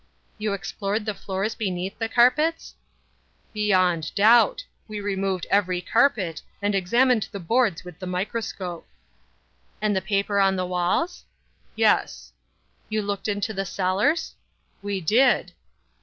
"You explored the floors beneath the carpets?" "Beyond doubt. We removed every carpet, and examined the boards with the microscope." "And the paper on the walls?" "Yes." "You looked into the cellars?" "We did."